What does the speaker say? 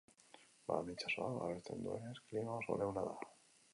Barne-itsasoak babesten duenez, klima oso leuna da.